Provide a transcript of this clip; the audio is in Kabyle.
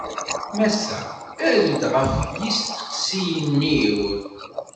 Massa, err-d ɣef yisteqsiyen-iw.